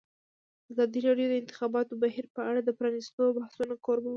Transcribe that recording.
ازادي راډیو د د انتخاباتو بهیر په اړه د پرانیستو بحثونو کوربه وه.